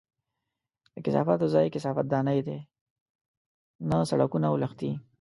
د کثافاتو ځای کثافت دانۍ دي، نه سړکونه او لښتي!